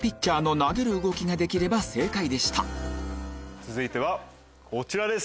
続いてはこちらです。